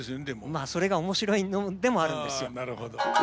まあそれが面白いのでもあるんですよ。